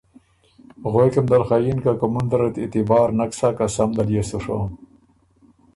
غوېکم دل خه یِن که کُومُن زرت اعتبار نک سۀ قسم دل يې سُو ڒوم